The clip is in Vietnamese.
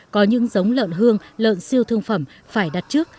có những giống lợn hương lợn siêu thương phẩm phải đặt trước